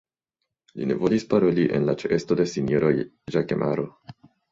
Li ne volis paroli en la ĉeesto de sinjoro Ĵakemaro.